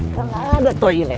kan gak ada toilet